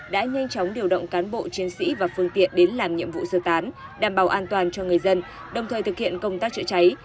đã nhanh chóng điều động cán bộ chiến sĩ và phương tiện đến làm nhiệm vụ sơ tán đảm bảo an toàn cho người dân đồng thời thực hiện công tác chữa cháy